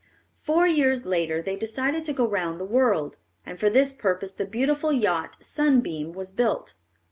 Four years later they decided to go round the world, and for this purpose the beautiful yacht Sunbeam was built.